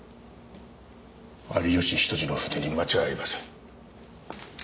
有吉比登治の筆に間違いありません。